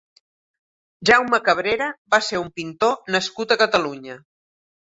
Jaume Cabrera va ser un pintor nascut a Catalunya.